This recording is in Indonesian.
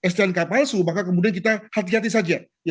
stnk palsu maka kemudian kita hati hati saja